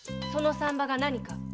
その産婆が何か？